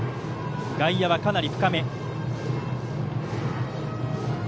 外野はかなり深め。